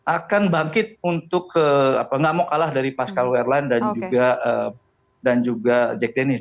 akan bangkit untuk nggak mau kalah dari pascal wehrlein dan juga jack dennis